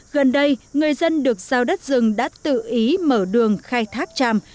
gần đây người dân được giao đất rừng đã tự ý mở đường khai thác tràm